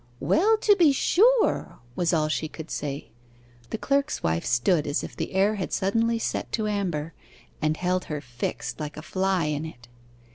'Well, to be sure!' was all she could say. The clerk's wife stood as if the air had suddenly set to amber, and held her fixed like a fly in it.